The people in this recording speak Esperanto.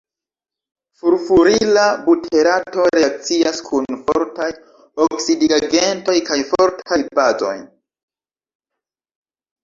Furfurila buterato reakcias kun fortaj oksidigagentoj kaj fortaj bazoj.